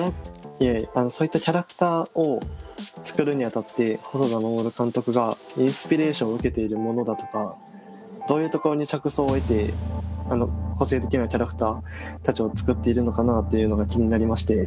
そういったキャラクターを作るにあたって細田守監督がインスピレーションを受けているものだとかどういうところに着想を得てあの個性的なキャラクターたちを作っているのかなっていうのが気になりまして。